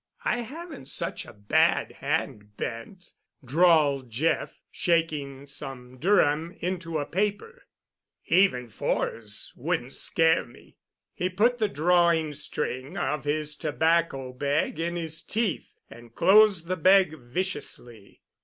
"I haven't such a bad hand, Bent," drawled Jeff, shaking some Durham into a paper. "Even 'fours' wouldn't scare me." He put the drawing string of his tobacco bag in his teeth and closed the bag viciously.